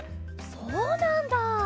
そうなんだ！